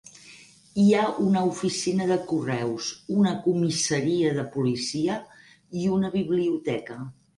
Hi ha una oficina de correus, una comissaria de policia i una biblioteca..